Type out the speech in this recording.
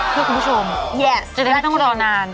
เพื่อคุณผู้ชมจะได้ไม่ต้องรอนาน